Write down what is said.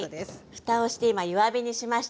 ふたをして今弱火にしました。